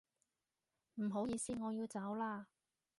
唔好意思，我要走啦